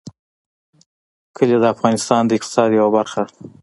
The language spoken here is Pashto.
کلي د افغانستان د اقتصاد یوه برخه ده.